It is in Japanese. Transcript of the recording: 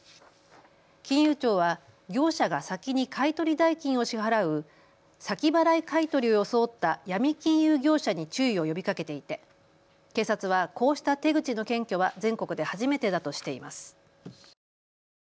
金融庁は業者が先に買い取り代金を支払う先払い買い取りを装ったヤミ金融業者に注意を呼びかけていて警察はこうした手口の検挙は全国で初めてだとしています。